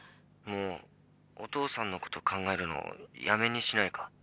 もうお父さんのこと考えるのやめにしないか？